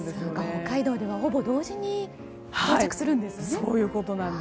北海道ではほぼ同時に到着するんですね。